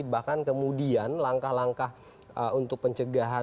bahkan kemudian langkah langkah untuk pencegahan